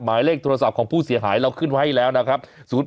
หมายเลขโทรศัพท์ของผู้เสียหายเราขึ้นไว้ให้แล้วนะครับ